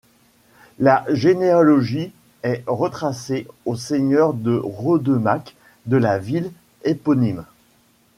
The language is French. La généalogie est retracée aux seigneurs de Rodemack de la ville éponyme.